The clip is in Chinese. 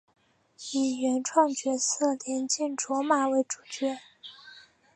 以原创角色莲见琢马为主角。